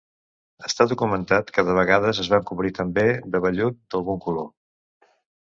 Està documentat que de vegades es van cobrir també de vellut d'algun color.